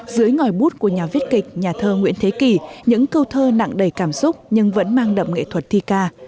dưới ngòi bút của nhà viết kịch nhà thơ nguyễn thế kỳ những câu thơ nặng đầy cảm xúc nhưng vẫn mang đậm nghệ thuật thi ca